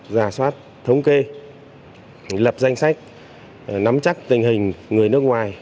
giả soát thống kê lập danh sách nắm chắc tình hình người nước ngoài